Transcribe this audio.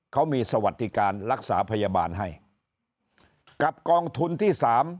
เขามีสวัสดิการรักษาพยาบาลให้กับกองทุนที่สาม